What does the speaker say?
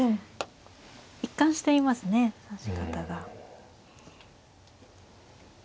一貫していますね指し方が。